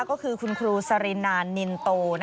ก็คือคุณครูสรินานนินโต